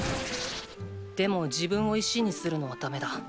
でも自分を石にするのはだめだ。